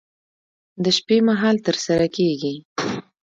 د شپې مهال ترسره کېږي.